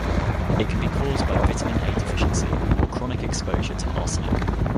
It can be caused by vitamin A deficiency or chronic exposure to arsenic.